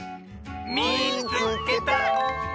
「みいつけた！」。